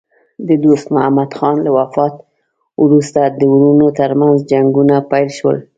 د دوست محمد خان له وفات وروسته د وروڼو ترمنځ جنګونه پیل شول.